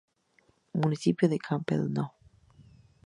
Municipio de Campbell No.